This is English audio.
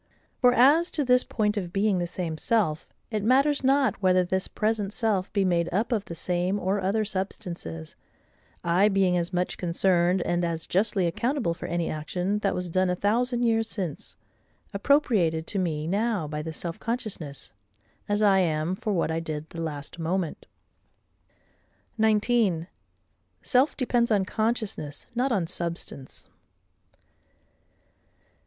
For as to this point of being the same self, it matters not whether this present self be made up of the same or other substances—I being as much concerned, and as justly accountable for any action that was done a thousand years since, appropriated to me now by this self consciousness, as I am for what I did the last moment. 19. Self depends on Consciousness, not on Substance.